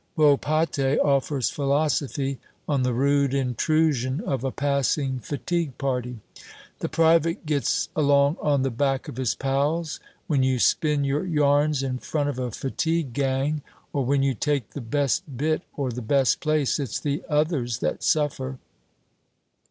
Volpatte offers philosophy on the rude intrusion of a passing fatigue party: "The private gets along on the back of his pals. When you spin your yarns in front of a fatigue gang, or when you take the best bit or the best place, it's the others that suffer."